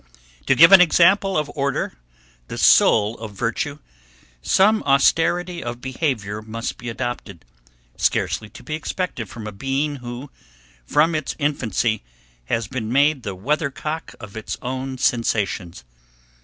To give an example of order, the soul of virtue, some austerity of behaviour must be adopted, scarcely to be expected from a being who, from its infancy, has been made the weathercock of its own sensations.